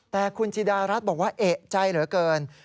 แต่คุณจิดารัฐบอกว่าเอกใจเหลือเกิน